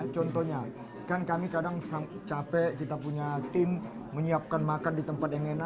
contohnya kan kami kadang capek kita punya tim menyiapkan makan di tempat yang enak